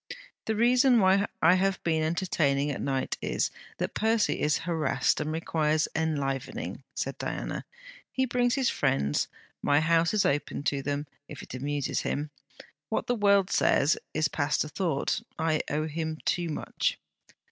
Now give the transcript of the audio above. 'The reason why I have been entertaining at night is, that Percy is harassed and requires enlivening,' said Diana. 'He brings his friends. My house is open to them, if it amuses him. What the world says, is past a thought. I owe him too much.'